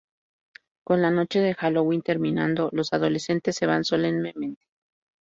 Con la noche de Halloween terminando, los adolescentes se van solemnemente.